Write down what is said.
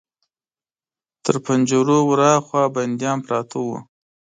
تر پنجرو ور هاخوا بنديان پراته ول.